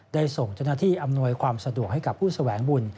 ได้ส่งเจ้าหน้าที่อำนวยความสะดวกให้กับผู้แสวงบุญ